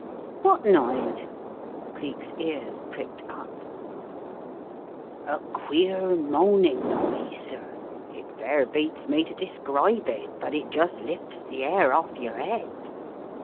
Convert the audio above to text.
"What noise?" Cleek's ears pricked up. "A queer moaning noise, sir. It fair beats me to describe it, but it just lifts the 'air off yer 'ead.